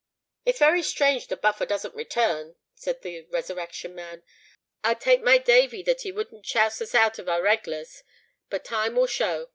"It's very strange the Buffer doesn't return," said the Resurrection Man. "I'd take my davy that he wouldn't chouse us out of our reglars. But time will show.